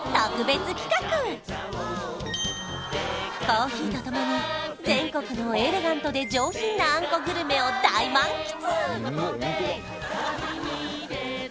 コーヒーと共に全国のエレガントで上品なあんこグルメを大満喫！